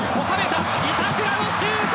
板倉のシュート！